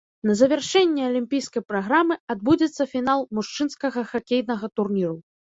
На завяршэнне алімпійскай праграмы адбудзецца фінал мужчынскага хакейнага турніру.